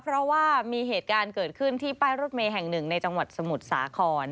เพราะว่ามีเหตุการณ์เกิดขึ้นที่ป้ายรถเมย์แห่งหนึ่งในจังหวัดสมุทรสาคร